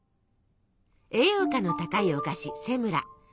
栄養価の高いお菓子セムラ。